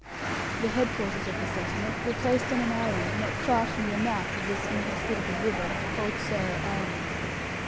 The head quarters of the settlement were placed on an island not far from the mouth of this inhospitable river, called Sarah Island.